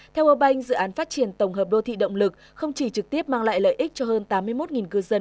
theo world bank dự án phát triển tổng hợp đô thị động lực không chỉ trực tiếp mang lại lợi ích cho hơn tám mươi một cư dân